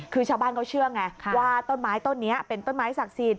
คือชาวบ้านเขาเชื่อไงว่าต้นไม้ต้นนี้เป็นต้นไม้ศักดิ์สิทธิ